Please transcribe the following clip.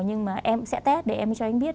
nhưng mà em sẽ test để em cho em biết